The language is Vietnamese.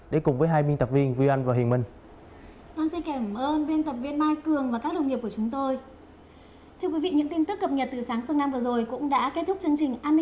để cùng với hai minh tập viên